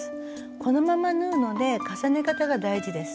このまま縫うので重ね方が大事です。